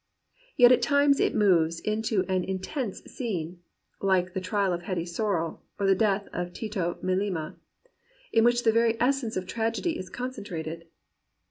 Yet at times it moves into an in tense scene, like the trial of Hetty Sorrel or the death of Tito Melema, in which the very essence of tragedy is concentrated.